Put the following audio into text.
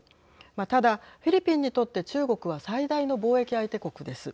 ただフィリピンにとって中国は最大の貿易相手国です。